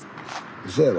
うそやろ？